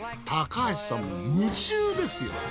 高橋さんも夢中ですよ。